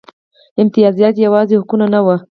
امتیازات یوازې حقونه نه وو.